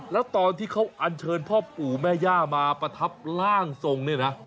แล้วตอนที่เขาอันเชิญพ่อปู่แม่ย่ามาประทับร่างทรงเนี่ยนะ